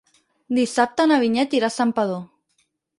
Dissabte na Vinyet irà a Santpedor.